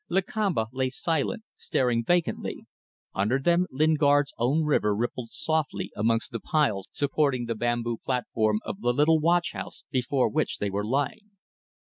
Lakamba lay silent, staring vacantly. Under them Lingard's own river rippled softly amongst the piles supporting the bamboo platform of the little watch house before which they were lying.